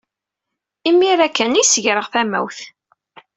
Imir-a kan ay as-greɣ tamawt.